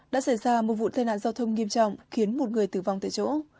đã xảy ra một vụ tai nạn giao thông nghiêm trọng khiến một người tử vong tại chỗ